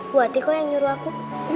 buat tiko yang nyuruh aku